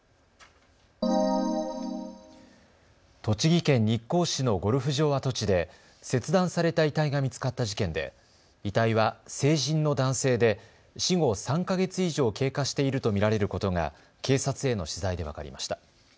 栃木県日光市のゴルフ場跡地で切断された遺体が見つかった事件で遺体は成人の男性で死後３か月以上経過していると見られることが警察への取材で分かりました。